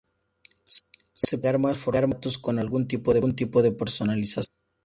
Se pueden agregar más formatos con algún tipo de personalización.